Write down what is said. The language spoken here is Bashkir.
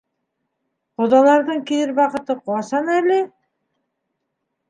Ҡоҙаларҙың килер ваҡыты ҡасан әле?